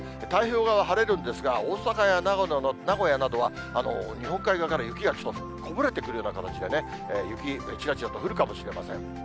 太平洋側は晴れるんですが、大阪や名古屋などは、日本海側から雪がこぼれてくるような形でね、雪、ちらちらと降るかもしれません。